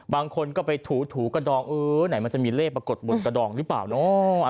บางคนก็ไปถูกระดองเออไหนมันจะมีเลขปรากฏบนกระดองหรือเปล่าเนาะ